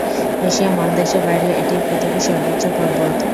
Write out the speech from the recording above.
Asia মহাদেশের বাইরে এটিই পৃথিবীর সর্বোচ্চ পর্বত।